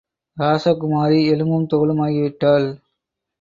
ராசகுமாரி எலும்பும் தோலுமாகிவிட்டாள்.